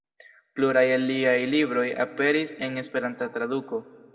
Pluraj el liaj libroj aperis en Esperanta traduko.